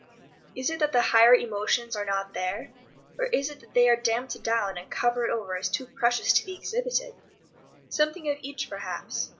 Is it that the higher emotions are not there? Or is it that they are damped down and covered over as too precious to be exhibited? Something of each, perhaps.